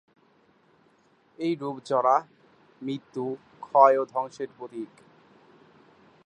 এই রূপ জরা, মৃত্যু, ক্ষয় ও ধ্বংসের প্রতীক।